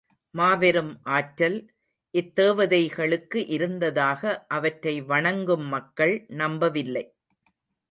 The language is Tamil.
மாபெரும் ஆற்றல், இத்தேவதைகளுக்கு இருந்ததாக அவற்றை வணங்கும் மக்கள் நம்பவில்லை.